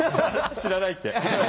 知らないって。